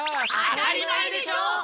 当たり前でしょ！